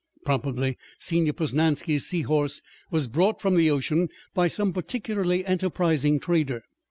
Probably Señor Posnansky's seahorse was brought from the ocean by some particularly enterprising trader.